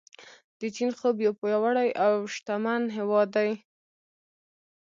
د چین خوب یو پیاوړی او شتمن هیواد دی.